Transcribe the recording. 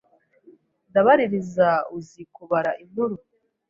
Ndabaririza uzi kubara inkuru